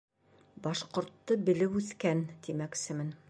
Башҡортто белеп үҫкән, тимәксемен.